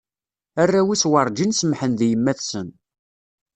Arraw-is werǧin semmḥen di yemma-tsen.